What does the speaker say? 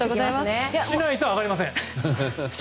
しないと上がれません。